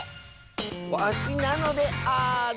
わしなのである！